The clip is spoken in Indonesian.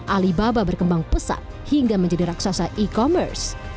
alibaba berkembang pesat hingga menjadi raksasa e commerce